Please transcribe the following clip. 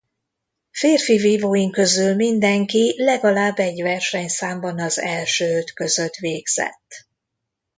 Férfi vívóink közül mindenki legalább egy versenyszámban az első öt között végzett.